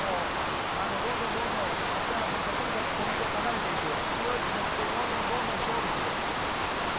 どんどん松山選手はとにかくポイントを重ねていく強い気持ちでどんどん、どんどん勝負する。